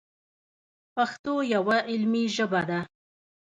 پښتو یوه علمي ژبه ده.